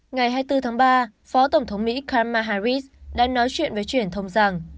ngày hai mươi bốn tháng ba phó tổng thống mỹ karama harris đã nói chuyện với truyền thông rằng